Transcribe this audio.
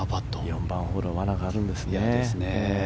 ４番ホールは罠があるんですね。